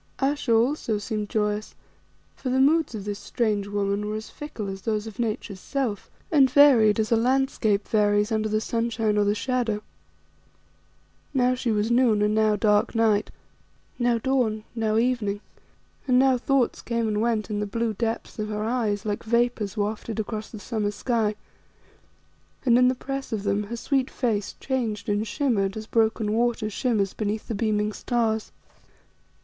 Ayesha also seemed joyous, for the moods of this strange woman were as fickle as those of Nature's self, and varied as a landscape varies under the sunshine or the shadow. Now she was noon and now dark night; now dawn, now evening, and now thoughts came and went in the blue depths of her eyes like vapours wafted across the summer sky, and in the press of them her sweet face changed and shimmered as broken water shimmers beneath the beaming stars.